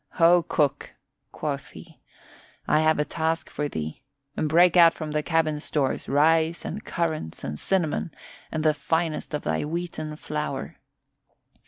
"Ho, cook," quoth he, "I have a task for thee. Break out from the cabin stores rice and currants and cinnamon and the finest of thy wheaten flour.